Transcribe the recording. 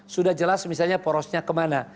sudah jelas misalnya porosnya kemana